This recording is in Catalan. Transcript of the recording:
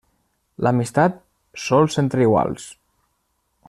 L'amistat, sols entre iguals.